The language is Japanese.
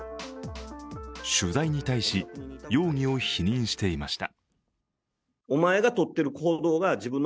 取材に対し、容疑を否認していました。